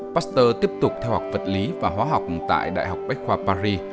pasteur tiếp tục theo học vật lý và hóa học tại đại học bách khoa paris